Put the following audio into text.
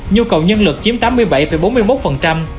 nhu cầu nhân lực chiếm tám mươi bảy bốn mươi một